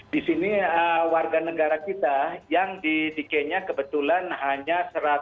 di sini warga negara kita yang di kenya kebetulan hanya satu ratus lima puluh